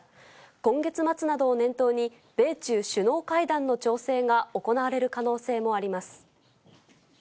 今月末などを念頭に、米中首脳会談の調整が行われる可能性もあります。